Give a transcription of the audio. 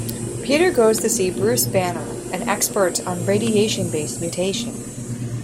Peter goes to see Bruce Banner, an expert on radiation-based mutation.